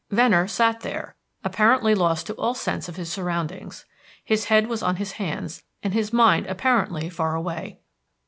Venner sat there, apparently lost to all sense of his surroundings. His head was on his hands, and his mind was apparently far away.